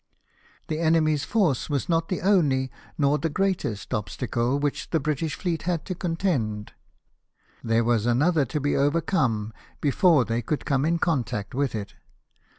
The enemy's force was not the only, nor the greatest, obstacle with which the British fleet had to contend, there was another to be overcome before they could come in contact with it.